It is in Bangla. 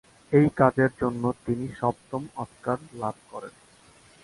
এই কাজের জন্য তিনি তার সপ্তম অস্কার লাভ করেন।